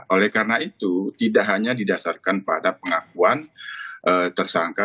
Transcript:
oleh karena itu tidak hanya didasarkan pada pengakuan tersangka